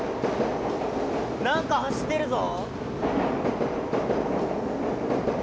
何か走ってるぞ。